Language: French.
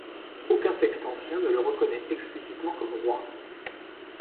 Aucun texte ancien ne le reconnait explicitement comme roi.